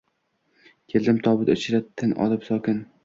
Keldim tobut ichra tin olib, sokin